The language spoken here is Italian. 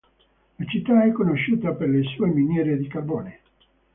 La città è conosciuta per le sue miniere di carbone.